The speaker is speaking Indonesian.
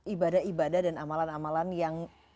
ibadah ibadah dan amalan amalan yang